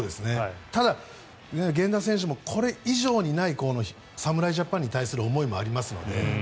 ただ、源田選手もこれ以上にない侍ジャパンに対する思いもありますので。